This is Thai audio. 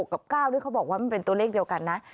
กับ๙นี่เขาบอกว่ามันเป็นตัวเลขเดียวกันนะ